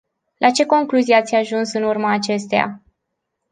La ce concluzii ați ajuns în urma acesteia?